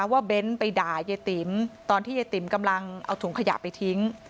เบ้นไปด่ายายติ๋มตอนที่ยายติ๋มกำลังเอาถุงขยะไปทิ้ง